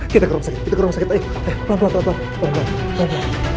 kita ke rumah sakit kita ke rumah sakit ayo pelan pelan